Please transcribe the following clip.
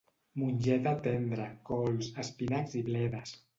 Mongeta tendra, cols, espinacs i bledes